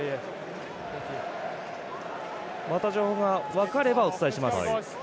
また情報が分かればお伝えします。